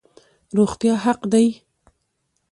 روغتیا حق دی